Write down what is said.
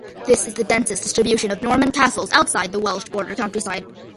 This is the densest distribution of Norman castles outside the Welsh border countryside.